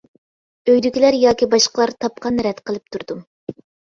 ئۆيدىكىلەر ياكى باشقىلار تاپقاننى رەت قىلىپ تۇردۇم.